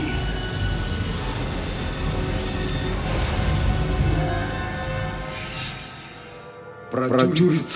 kau sudah mengingat semuanya kembali